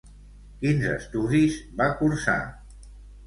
Quins estudis va cursar?